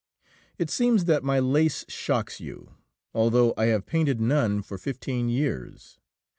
"It seems that my lace shocks you, although I have painted none for fifteen years.